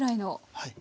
はい。